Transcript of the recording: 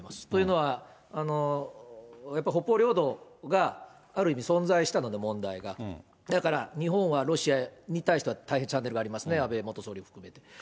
というのは、やっぱり北方領土がある意味、存在した問題が、だから、日本はロシアに対しては大変チャンネルがありますね、安倍元総理を含め。